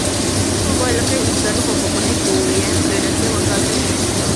سۇ بايلىقى ئىگىدارلىق ھوقۇقىنى گوۋۇيۈەن دۆلەتكە ۋاكالىتەن يۈرگۈزىدۇ.